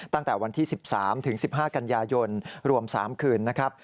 ตั้งแต่วันที่๑๓๑๕กันยายนรวม๓คืนนะครับ